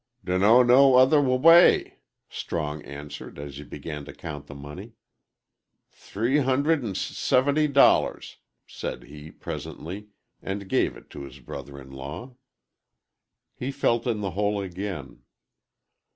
"Dunno no other w way," Strong answered as he began to count the money. "Three hundred an' s seventy dollars," he said, presently, and gave it to his brother in law. He felt in the hole again.